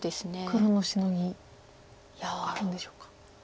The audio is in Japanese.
黒のシノギあるんでしょうか。